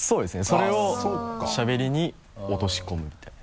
それをしゃべりに落とし込むみたいな。